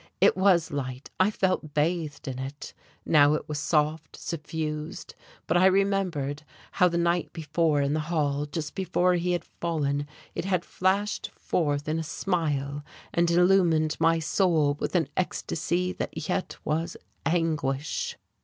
It was light; I felt bathed in it. Now it was soft, suffused: but I remembered how the night before in the hall, just before he had fallen, it had flashed forth in a smile and illumined my soul with an ecstasy that yet was anguish....